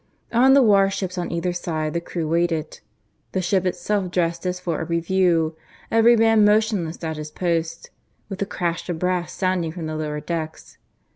On the warships on either side the crew waited, the ship itself dressed as for a review, every man motionless at his post, with the crash of brass sounding from the lower decks.